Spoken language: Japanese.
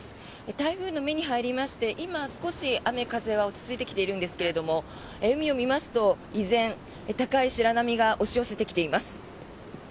台風の目に入りまして今少し、雨風は落ち着いてきているんですが海を見ますと依然、高い白波が押し寄せてきています。